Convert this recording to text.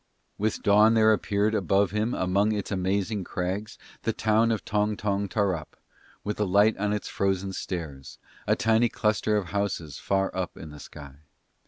With dawn there appeared above him among its amazing crags the town of Tong Tong Tarrup, with the light on its frozen stairs, a tiny cluster of houses far up in the sky.